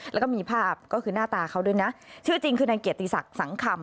แล้วก็มีภาพก็คือหน้าตาเขาด้วยนะชื่อจริงคือนายเกียรติศักดิ์สังคำ